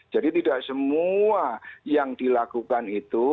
jadi tidak semua yang dilakukan itu